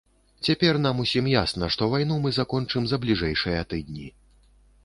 Цяпер нам усім ясна, што вайну мы закончым за бліжэйшыя тыдні.